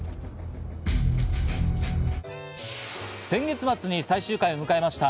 先月末に最終回を迎えました